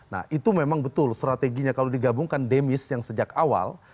nah itu memang betul strateginya kalau digabungkan demis yang sejak awal